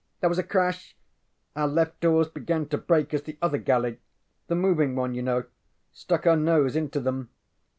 there was a crash! Our left oars began to break as the other galley, the moving one yŌĆÖknow, stuck her nose into them.